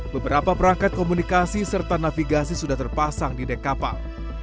beberapa perangkat komunikasi serta navigasi sudah terpasang di dek kapal